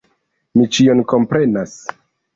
Mi ĉion komprenas!